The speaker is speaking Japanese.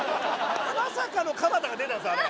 まさかの鎌田が出たんですあれ。